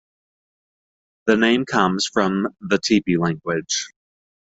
The name comes from the Tupi language.